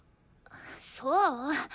そう？